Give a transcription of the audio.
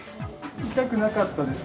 痛くなかったです？